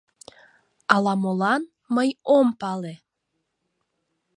Ала-молан, мый ом пале -